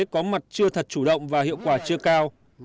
có mặt chưa thật chủ động và hiệu quả chưa cao